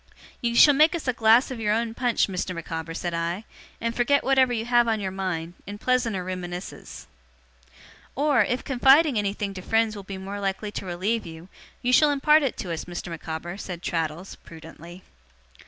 'You shall make us a glass of your own punch, Mr. Micawber,' said I, 'and forget whatever you have on your mind, in pleasanter reminiscences.' 'Or, if confiding anything to friends will be more likely to relieve you, you shall impart it to us, Mr. Micawber,' said Traddles, prudently.